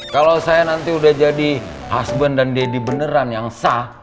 kalau saya nanti udah jadi asbun dan deddy beneran yang sah